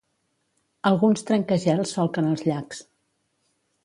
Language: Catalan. Alguns trencagels solquen els llacs.